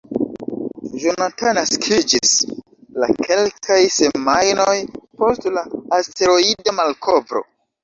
Jonathan naskiĝis la kelkaj semajnoj post la asteroida malkovro.